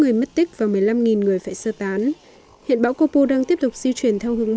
ba người mất tích và một mươi năm người phải sơ tán hiện bão kopu đang tiếp tục di chuyển theo hướng